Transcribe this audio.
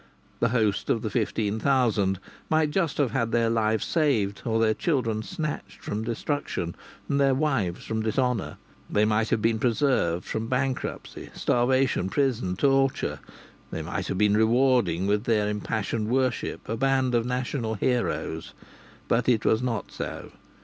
The host of the fifteen thousand might have just had their lives saved, or their children snatched from destruction and their wives from dishonour; they might have been preserved from bankruptcy, starvation, prison, torture; they might have been rewarding with their impassioned worship a band of national heroes. But it was not so.